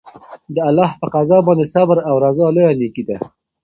د الله په قضا باندې صبر او رضا لویه نېکي ده.